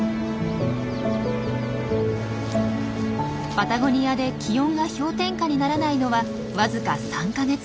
パタゴニアで気温が氷点下にならないのはわずか３か月間。